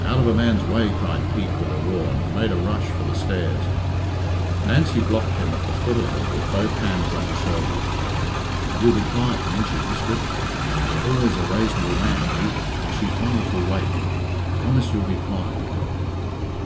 "Out of a man's way," cried Pete, with a roar, and he made a rush for the stairs. Nancy blocked him at the foot of them with both hands on his shoulders. "You'll be quiet, then," she whispered. "You were always a rasonable man, Pete, and she's wonderful wake promise you'll be quiet."